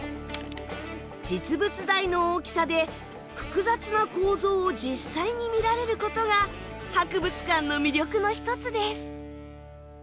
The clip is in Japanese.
実物大の大きさで複雑な構造を実際に見られることが博物館の魅力の一つです。